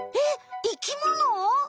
えっ生きもの？